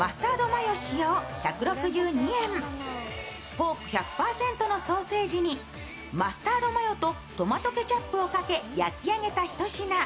ポーク１００％のソーセージに、マスタードマヨとトマトケチャップをかけ、焼き上げた一品。